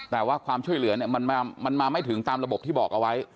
แต่ว่าความช่วยเหลือเนี่ยมันมาไม่ถึงตามระบบที่บอกเอาไว้